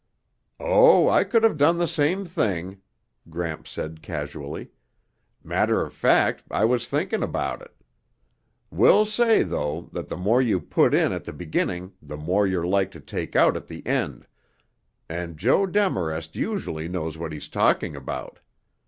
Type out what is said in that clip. "Oh, I could have done the same thing," Gramps said casually. "Matter of fact, I was thinking about it. Will say, though, that the more you put in at the beginning the more you're like to take out at the end, and Joe Demarest usually knows what he's talking about.